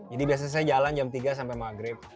jadi biasanya saya jalan jam tiga sampai maghrib